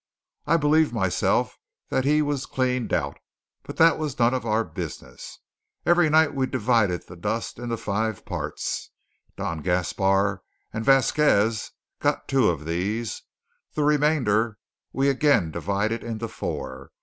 I believe myself that he was cleaned out; but that was none of our business. Every night we divided the dust into five parts. Don Gaspar and Vasquez got two of these. The remainder we again divided into four.